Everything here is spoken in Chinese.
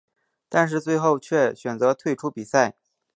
但是最后却选择退出比赛。